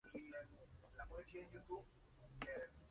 En su estancia italiana compuso algunas óperas, pero sin mucho eco.